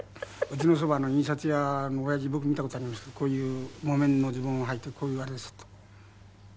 うちのそばの印刷屋の親父僕見た事ありますけどこういう木綿のズボンをはいてこういうあれですって。